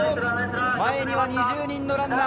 前には２０人のランナー。